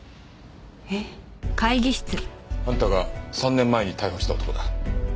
えっ？あんたが３年前に逮捕した男だ。